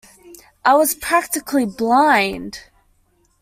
I was practically blind.